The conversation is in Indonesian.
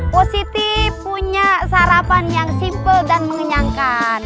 positi punya sarapan yang simple dan mengenyangkan